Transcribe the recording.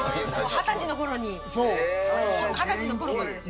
２０歳のころに、２０歳のころからですよ。